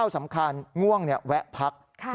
๙สำคัญง่วงเนี่ยแวะพัก